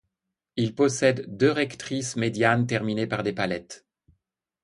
Il possède deux rectrices médianes terminées par des palettes.